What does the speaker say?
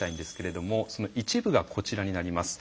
その一部がこちらになります。